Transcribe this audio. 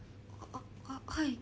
あはい。